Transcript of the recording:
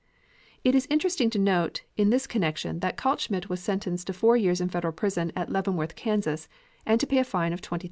It is interesting to note in this connection that Kaltschmidt was sentenced to four years in the federal prison at Leavenworth, Kansas, and to pay a fine of $20,000.